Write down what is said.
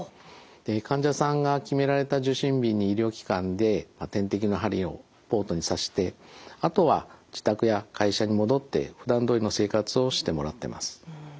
で患者さんが決められた受診日に医療機関で点滴の針をポートに刺してあとは自宅や会社に戻ってふだんどおりの生活をしてもらってます。